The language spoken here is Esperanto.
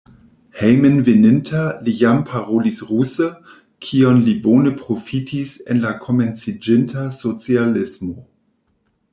Hejmenveninta li jam parolis ruse, kion li bone profitis en la komenciĝinta socialismo.